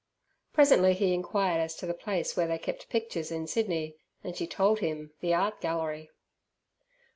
Presently he inquired as to the place where they kept pictures in Sydney, and she told him, the Art Gallery.